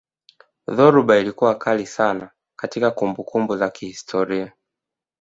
dhoruba ilikuwa kali sana katika kumbukumbu za kihistoria